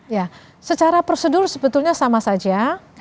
ya secara prosedur sebetulnya sama saja